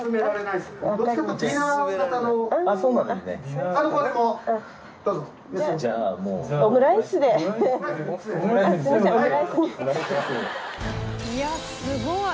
いやあすごい。